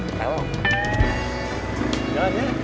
cek saya udah boleh